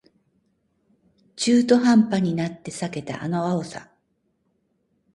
中途半端になって避けたあの青さ